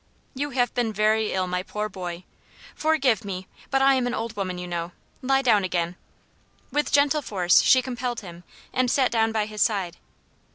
"You have been very ill, my poor boy! Forgive me but I am an old woman, you know. Lie down again." With gentle force she compelled him, and sat down by his side.